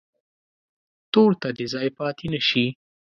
تور ته دې ځای پاتې نه شي.